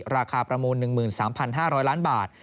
ประมูล๑๓๕๐๐ล้านบาท